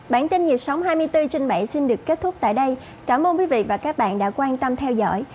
bản tin nhịp sống hai mươi bốn trên bảy xin được kết thúc tại đây cảm ơn quý vị và các bạn đã quan tâm theo dõi